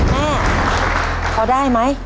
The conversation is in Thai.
แม่พอได้ไหม